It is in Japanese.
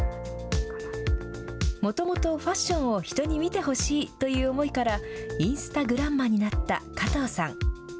もともと、ファッションを人に見てほしいという思いからインスタグランマになった加藤さん。